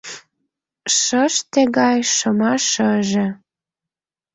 Шыште гай шыма шыже.